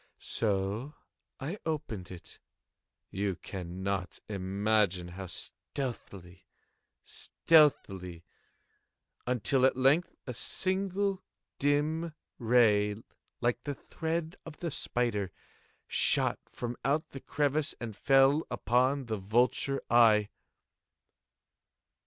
So I opened it—you cannot imagine how stealthily, stealthily—until, at length a simple dim ray, like the thread of the spider, shot from out the crevice and fell full upon the vulture eye.